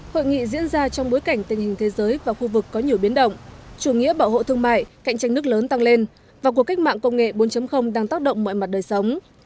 hội nghị diễn ra trong bối cảnh tình hình thế giới và khu vực có nhiều biến động chủ nghĩa bảo hộ thương mại cạnh tranh nước lớn tăng lên và cuộc cách mạng công nghệ bốn đang tác động mọi mặt đời sống